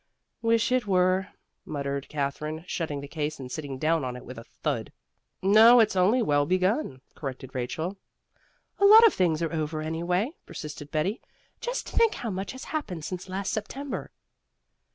"Wish it were," muttered Katherine, shutting the case and sitting down on it with a thud. "No, it's only well begun," corrected Rachel. "A lot of things are over anyway," persisted Betty. "Just think how much has happened since last September!"